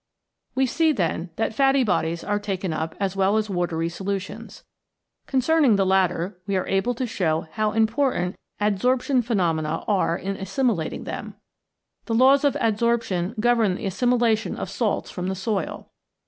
We see, then, that fatty bodies are taken up as well as watery solutions. Con cerning the latter, we are able to show how im portant adsorption phenomena are in assimilating them. The laws of adsorption govern the assimi lation of salts from the soil.